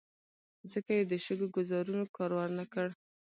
ځکه یې د شګو ګوزارونو کار ور نه کړ.